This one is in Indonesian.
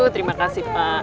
terima kasih pak